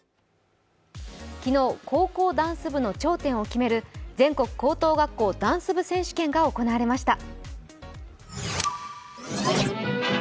昨日、高校ダンス部の頂点を決める全国高等学校ダンス部選手権が行われました。